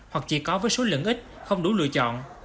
hoặc chỉ có với số lượng ít không đủ lựa chọn